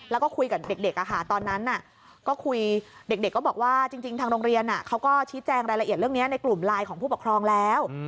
แล้วก็คุยกับเด็กตอนนั้นก็คุยเด็กก็บอกว่าจริงทางโรงเรียนเขาก็ชี้แจงรายละเอียดเรื่องนี้ในกลุ่มไลน์ของผู้ปกครองแล้ว